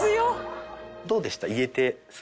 どうでした？